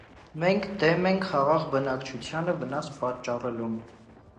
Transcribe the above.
Մենք դեմ ենք խաղաղ բնակչությանը վնաս պատճառելուն։